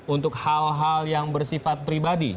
untuk hal hal yang bersifat pribadi